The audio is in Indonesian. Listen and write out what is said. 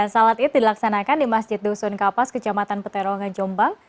salat id dilaksanakan di masjid dusun kapas kecamatan peterongan jombang